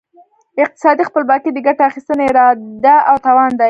اقتصادي خپلواکي د ګټې اخیستني اراده او توان دی.